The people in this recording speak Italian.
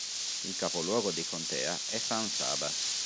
Il capoluogo di contea è San Saba.